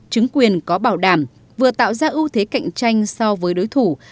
chứng quyền có bảo đảm vừa tạo ra ưu thế cạnh tranh so với đối thủ